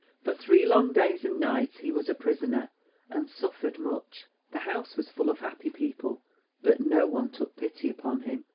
For three long days and nights he was a prisoner, and suffered much. The house was full of happy people, but no one took pity upon him.